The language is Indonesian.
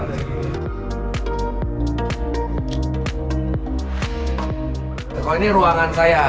ini ruangan saya